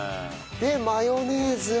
でマヨネーズを。